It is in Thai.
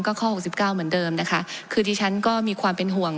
ก็ข้อหกสิบเก้าเหมือนเดิมนะคะคือที่ฉันก็มีความเป็นห่วง